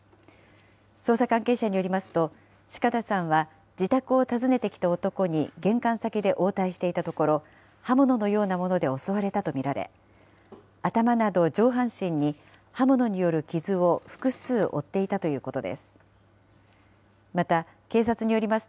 捜査関係者によりますと、四方さんは自宅を訪ねてきた男に玄関先で応対していたところ、刃物のようなもので襲われたと見られ、頭など上半身に刃物による傷を複数負っていたということです。